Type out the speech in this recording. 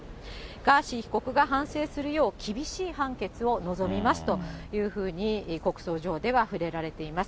ガーシー被告が反省するよう、厳しい判決を望みますというふうに告訴状では触れられています。